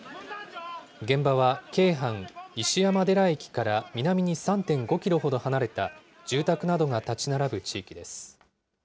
現場は、京阪石山寺駅から南に３．５キロほど離れた、住宅などが建ち並ぶ地域です。